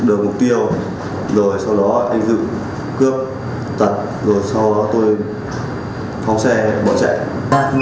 tôi đã có một đường tiêu rồi sau đó anh dự cướp tận rồi sau đó tôi phóng xe bỏ chạy